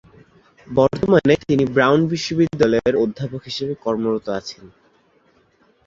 বর্তমানে তিনি ব্রাউন বিশ্ববিদ্যালয়ের অধ্যাপক হিসেবে কর্মরত আছেন।